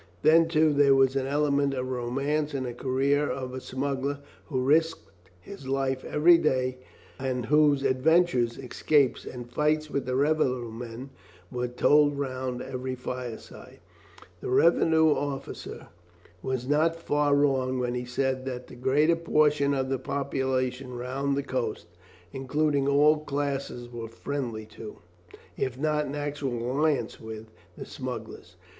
Then, too, there was an element of romance in the career of a smuggler who risked his life every day, and whose adventures, escapes, and fights with the revenue men were told round every fireside. The revenue officer was not far wrong when he said that the greater portion of the population round the coast, including all classes, were friendly to, if not in actual alliance with, the smugglers.